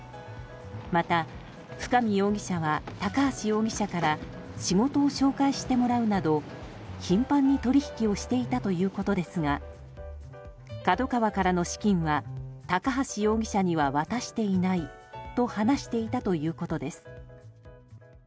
また、深見容疑者は高橋容疑者から仕事を紹介してもらうなど頻繁に取引をしていたということですがＫＡＤＯＫＡＷＡからの資金は高橋容疑者には渡していないと話していたということです。